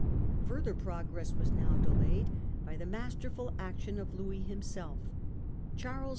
Further progress was now delayed by the masterful action of Louis himself. Charles IV.